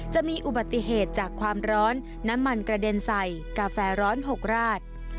จะมีอุบัติเหตุจากความร้อนน้ำมันกระเด็นใส่กาแฟร้อน๖ราด